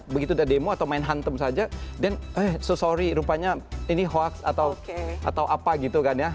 begitu udah demo atau main hantem saja dan eh so sorry rupanya ini hoax atau apa gitu kan ya